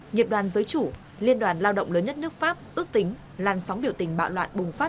nghiệp đoàn giới chủ liên đoàn lao động lớn nhất nước pháp ước tính làn sóng biểu tình bạo loạn bùng phát